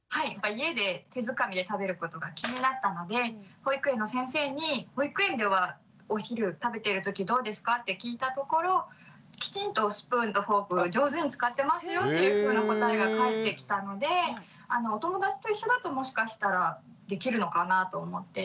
家で手づかみで食べることが気になったので保育園の先生に「保育園ではお昼食べてるときどうですか？」って聞いたところきちんとスプーンとフォークを上手に使ってますよっていうふうな答えが返ってきたのでお友達と一緒だともしかしたらできるのかなと思って。